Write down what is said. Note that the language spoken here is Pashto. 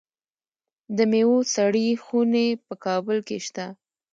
د میوو سړې خونې په کابل کې شته.